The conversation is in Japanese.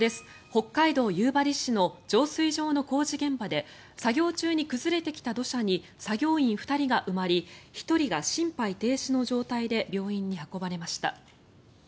北海道夕張市の浄水場の工事現場で作業中に崩れてきた土砂に作業員２人が埋まり１人が心肺停止の状態で病院に運ばれました。